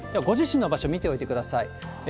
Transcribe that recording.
ご自身の場所、見ておいてください。